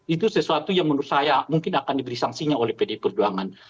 itu sesuatu yang menurut saya mungkin akan diberi sanksinya oleh pdi perjuangan